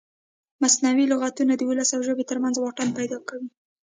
مصنوعي لغتونه د ولس او ژبې ترمنځ واټن پیدا کوي.